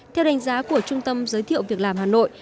theo đánh giá của trung tâm giới thiệu việc làm hà nội